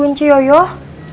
siapa lagi yang mau berhenti